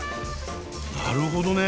なるほどね。